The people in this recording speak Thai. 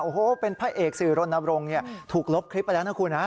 โอ้โหเป็นพระเอกสื่อรณรงค์ถูกลบคลิปไปแล้วนะคุณฮะ